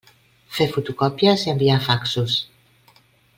Fer fotocòpies i enviar faxos.